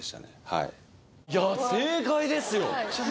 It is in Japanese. はいいや正解ですよ